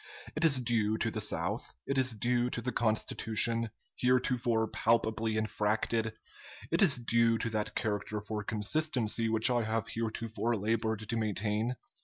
It is due to the South; it is due to the Constitution, heretofore palpably infracted; it is due to that character for consistency which I have heretofore labored to maintain.